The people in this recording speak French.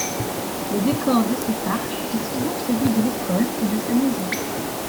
Le décor de ses farces est souvent celui de l'école ou de sa maison.